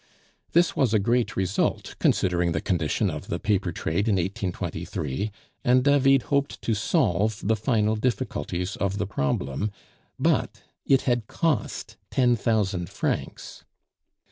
This was a great result, considering the condition of the paper trade in 1823, and David hoped to solve the final difficulties of the problem, but it had cost ten thousand francs.